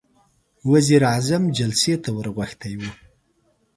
وزير اعظم جلسې ته ور غوښتی و.